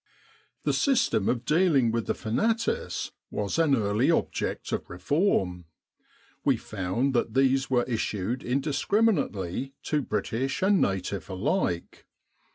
The system of dealing with the fanatis was an early object of reform. We found that these were issued indiscriminately to British and native alike.